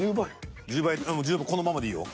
このままでいいよ。